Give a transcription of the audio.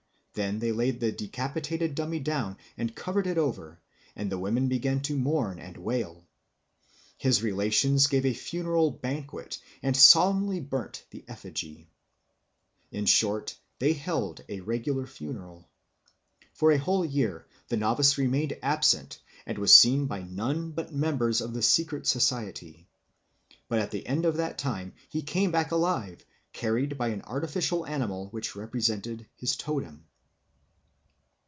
Then they laid the decapitated dummy down and covered it over, and the women began to mourn and wail. His relations gave a funeral banquet and solemnly burnt the effigy. In short, they held a regular funeral. For a whole year the novice remained absent and was seen by none but members of the secret society. But at the end of that time he came back alive, carried by an artificial animal which represented his totem.